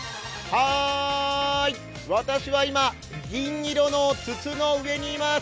私は今、銀色の筒の上にいまーす。